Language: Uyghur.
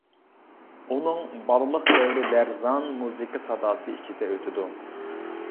ئۇنىڭ بالىلىق دەۋرى لەرزان مۇزىكا ساداسى ئىچىدە ئۆتىدۇ.